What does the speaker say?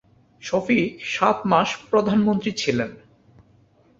শফিক সাত মাস প্রধানমন্ত্রী ছিলেন।